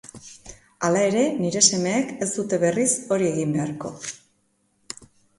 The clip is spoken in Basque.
Hala ere, nire semeek ez dute berriz hori egin beharko.